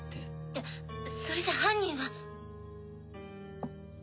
えっそれじゃ犯人は。